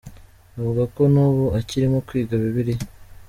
Avuga ko n’ ubu akirimo kwiga bibiliya.